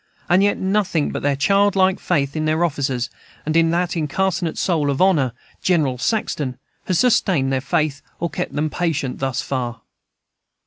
And yet nothing but their childlike faith in their officers, and in that incarnate soul of honor, General Saxton, has sustained their faith, or kept them patient, thus far.